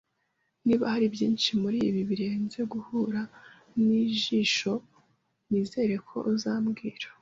Niba hari byinshi muribi birenze guhura nijisho, nizere ko uzambwira.